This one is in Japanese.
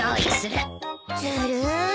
ずるい。